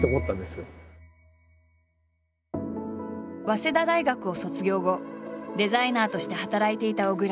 早稲田大学を卒業後デザイナーとして働いていた小倉。